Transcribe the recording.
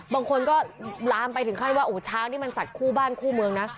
บางคนก็ลามไปถึงขั้นว่าช้างนี่มันสัตว์คู่บ้านคู่เมืองนะ